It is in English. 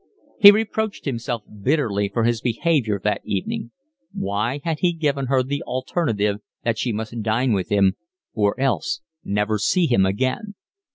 He reproached himself bitterly for his behaviour that evening. Why had he given her the alternative that she must dine with him or else never see him again?